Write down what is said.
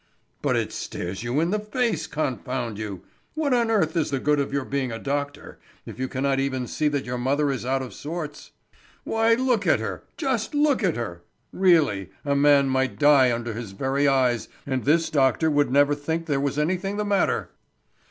"But it stares you in the face, confound you! What on earth is the good of your being a doctor if you cannot even see that your mother is out of sorts? Why, look at her, just look at her. Really, a man might die under his very eyes and this doctor would never think there was anything the matter!"